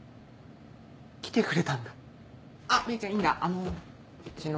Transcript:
来てくれたんだ。